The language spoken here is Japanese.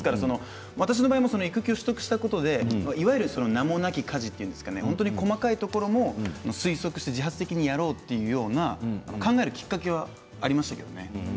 私の場合、育休取得したことでいわゆる名もなき家事細かいところも推測して自発的にやろうというような考えるきっかけはありましたけどね。